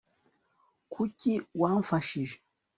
kuki wamfashije